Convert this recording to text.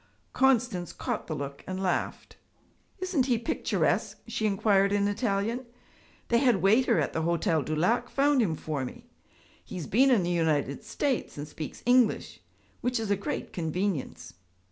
Constance caught the look and laughed. 'Isn't he picturesque?' she inquired in Italian. 'The head waiter at the Hotel du Lac found him for me. He has been in the United States and speaks English, which is a great convenience.'